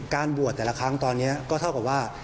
บวชแต่ละครั้งตอนนี้ก็เท่ากับว่า